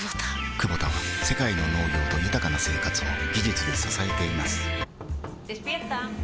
クボタは世界の農業と豊かな生活を技術で支えています起きて。